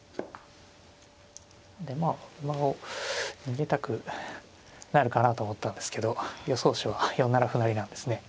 でまあ馬を逃げたくなるかなと思ったんですけど予想手は４七歩成なんですね。